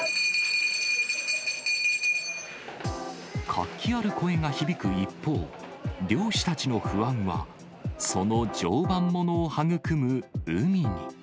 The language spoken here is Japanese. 活気ある声が響く一方、漁師たちの不安は、その常磐ものを育む海に。